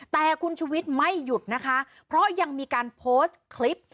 แต่คุณชุวิตไม่หยุดนะคะเพราะยังมีการโพสต์คลิป